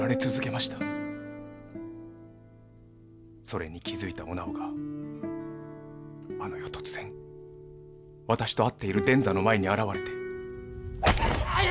それに気づいたお直があの夜突然私と会っている伝左の前に現れて。